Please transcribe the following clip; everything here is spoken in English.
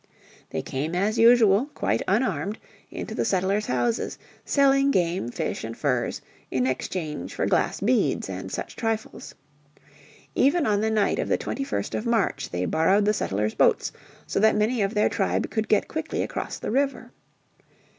They came as usual, quite unarmed, into the settlers' houses, selling game, fish and furs in exchange for glass beads and such trifles. Even on the night of the 21st of March they borrowed the settlers' boats so that many of their tribe could get quickly across the river.